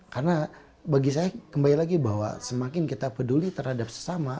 karena bagi saya kembali lagi bahwa semakin kita peduli terhadap sesama